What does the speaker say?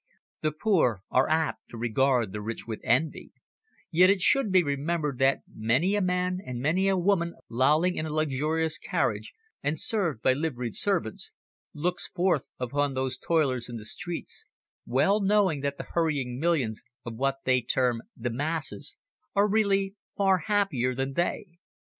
The poor are apt to regard the rich with envy, yet it should be remembered that many a man and many a woman lolling in a luxurious carriage and served by liveried servants looks forth upon those toilers in the streets, well knowing that the hurrying millions of what they term "the masses" are really far happier than they.